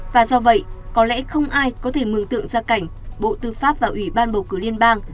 và do vậy có lẽ không ai có thể mừng tượng ra cảnh bộ tư pháp và ủy ban bầu cử liên bang